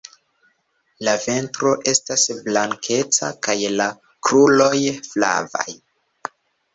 La ventro estas blankeca kaj la kruroj flavaj.